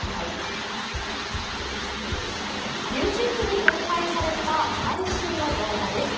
ＹｏｕＴｕｂｅに公開された最新の動画です。